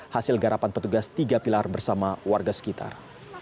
hasil garapan petugas tiga pilar bersama warga sekitar